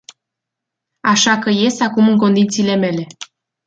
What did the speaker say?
Așa că ies acum în condițiile mele”.